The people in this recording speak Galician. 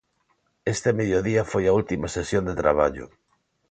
Este mediodía foi a última sesión de traballo.